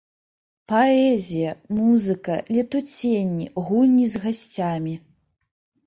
Паэзія, музыка, летуценні, гульні з гасцямі!